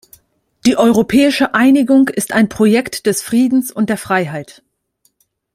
Die europäische Einigung ist ein Projekt des Friedens und der Freiheit.